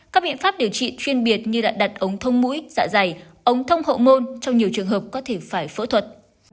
các biện pháp điều trị chuyên biệt như đặt ống thông mũi dạ dày ống thông hậu môn trong nhiều trường hợp có thể phải phẫu thuật